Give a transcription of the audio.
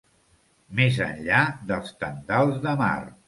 Més enllà dels tendals de mar.